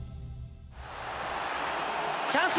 チャンス！